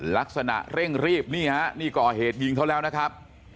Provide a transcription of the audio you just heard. ลักษณะเร่งรีบนี่ฮะนี่ก่อเหตุยิงเขาแล้วนะครับ